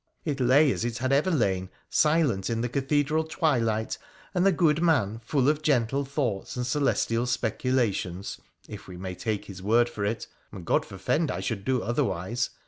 It lay as it had ever lain, silent, in the cathedral twilight, and the good man, full of gentle thoughts and celestial specula tions, if we may take his word for it — and God forfend I should do otherwise